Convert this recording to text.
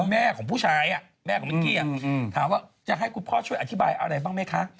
แม่ของผู้ชายแม่ของมิกกี้ถามว่าจะให้คุณพ่อช่วยอธิบายอะไรบ้างไหมคะ